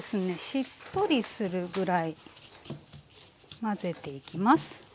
しっとりするぐらい混ぜていきます。